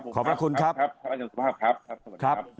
ครับครับเคยหวังคุณอาจารย์สุภาพครับ